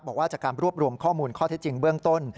บอกว่าจากการรวบรวมข้อมูลข้อเท็จจริงเบื้องต้น